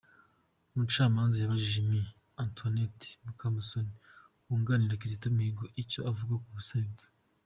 Umucamanza yabajije Me Antoinette Mukamusoni wunganira Kizito Mihigo icyo avuga ku busabe bwe.